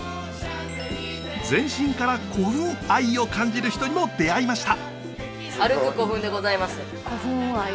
全身から古墳愛を感じる人にも出会いました。